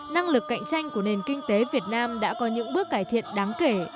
năng lực cạnh tranh của nền kinh tế việt nam đã có những bước cải thiện đáng kể